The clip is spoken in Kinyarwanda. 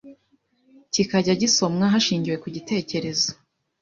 kikajya gisomwa hashingiwe ku gitekerezo